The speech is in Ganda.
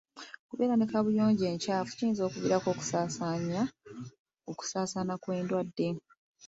Okubeera ne kaabuyonjo enkyafu kiyinza okuviirako okusaasaana kw'endwadde.